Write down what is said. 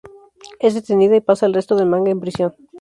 Es detenida y pasa el resto del manga en prisión.